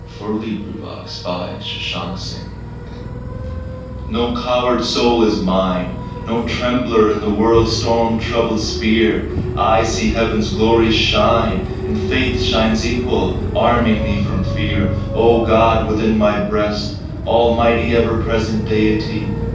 Emily Brontë No Coward Soul is Mine NO coward soul is mine, No trembler in the world's storm troubled sphere; I see Heaven's glories shine, And Faith shines equal, arming me from fear. O God within my breast, Almighty, ever present Deity!